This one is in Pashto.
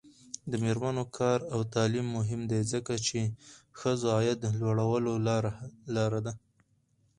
د میرمنو کار او تعلیم مهم دی ځکه چې ښځو عاید لوړولو لاره ده.